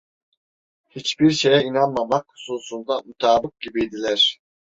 Hiçbir şeye inanmamak hususunda mutabık gibiydiler.